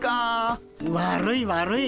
悪い悪い。